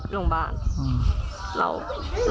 โรงพยาบาล